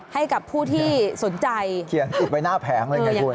ให้กับผู้ที่สนใจอย่างนั้นเลยค่ะไปต่ออีกทีหนึ่ง